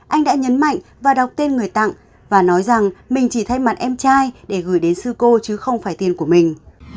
anh đã nhấn mạnh và đọc tên người tặng và nói rằng mình chỉ thay mặt em trai để gửi đến sư cô chứ không phải tiền của mình